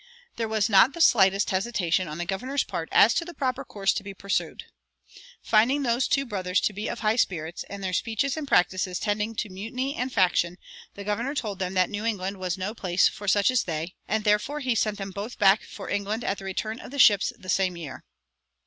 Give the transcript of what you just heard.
There was not the slightest hesitation on the governor's part as to the proper course to be pursued. "Finding those two brothers to be of high spirits, and their speeches and practices tending to mutiny and faction, the governor told them that New England was no place for such as they, and therefore he sent them both back for England at the return of the ships the same year."